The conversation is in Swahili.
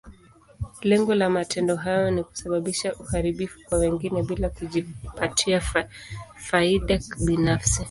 Lengo la matendo haya ni kusababisha uharibifu kwa wengine, bila kujipatia faida binafsi.